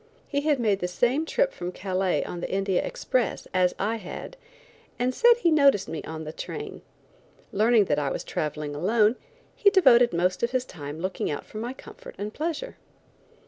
He had made the same trip from Calais on the India express as I had, and said he noticed me on the train. Learning that I was traveling alone, he devoted most of his time looking out for my comfort and pleasure.